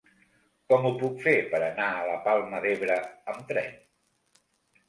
Com ho puc fer per anar a la Palma d'Ebre amb tren?